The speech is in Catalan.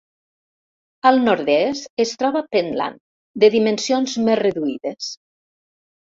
Al nord-est es troba Pentland, de dimensions més reduïdes.